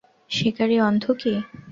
শিকারী অন্ধ কি?